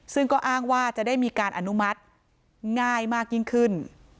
ซึ่งก็อ้างว่าจะได้มีการอนุมัติง่ายมากยิ่งขึ้น